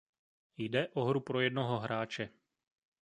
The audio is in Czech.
Jde o hru pro jednoho hráče.